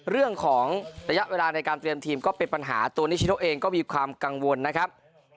เรื่องของระยะเวลาในการเตรียมทีมก็เป็นปัญหาตัวนิชโน่เองก็มีความกังวลนะครับ